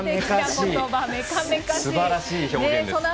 すばらしい表現です。